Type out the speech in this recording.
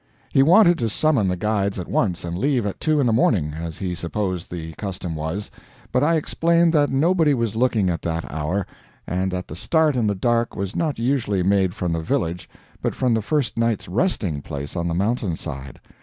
He wanted to summon the guides at once and leave at two in the morning, as he supposed the custom was; but I explained that nobody was looking at that hour; and that the start in the dark was not usually made from the village but from the first night's resting place on the mountain side.